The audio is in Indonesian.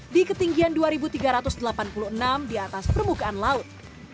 di ketinggian dua tiga ratus delapan puluh enam di atas permukaan laut